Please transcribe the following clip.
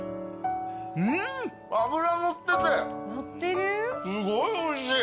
うん脂乗っててすごいおいしい。